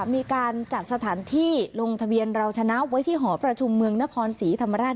มีการจัดสถานที่ลงทะเบียนเราชนะไว้ที่หอประชุมเมืองนครศรีธรรมราช